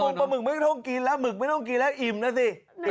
ปลาหึกไม่ต้องกินแล้วหมึกไม่ต้องกินแล้วอิ่มแล้วสิ